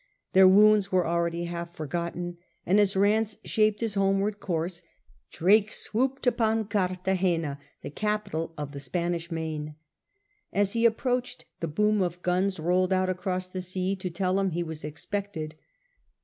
Their wounds were already half forgotten, and as Ranse shaped his homeward course, Drake swooped upon Cartagena, the , capital of the Spanish Main. As he approached, the boom of guns rolled out across the sea to tell him he was expected.